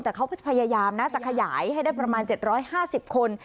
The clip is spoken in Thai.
แต่เขาก็พยายามนะจะขยายให้ได้ประมาณ๗๕๐คน